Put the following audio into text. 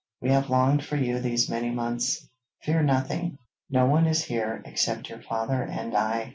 'We have longed for you these many months. Fear nothing; no one is here except your father and I.'